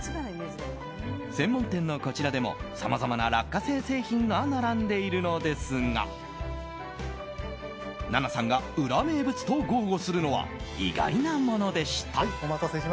専門店のこちらでも、さまざまな落花生製品が並んでいるのですが奈々さんがウラ名物と豪語するのは意外なものでした。